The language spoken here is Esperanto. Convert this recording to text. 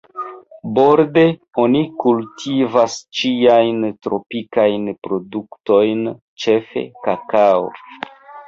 Borde oni kultivas ĉiajn tropikajn produktojn, ĉefe kakao.